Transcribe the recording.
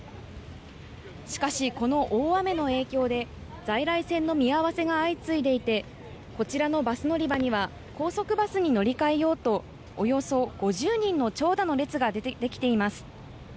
しかし、この大雨の影響で在来線の見合わせが相次いでいてこちらのバス乗り場には高速バスに乗り換えようとおよそ５０人の長蛇の列ができています。